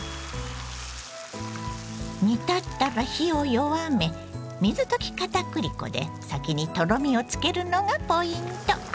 煮立ったら火を弱め水溶きかたくり粉で先にとろみをつけるのがポイント。